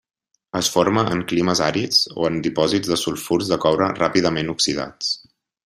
Es forma en climes àrids o en dipòsits de sulfurs de coure ràpidament oxidats.